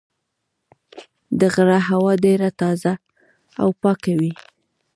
د غره هوا ډېره تازه او پاکه وي.